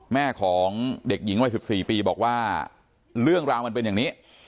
แม่ของเด็กหญิงวัย๑๔ปีบอกว่าเรื่องราวมันเป็นอย่างนี้